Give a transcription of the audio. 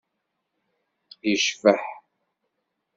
Yecbeḥ.